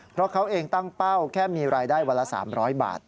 เพราะเขาเองตั้งเป้าแค่มีรายได้วันละ๓๐๐บาท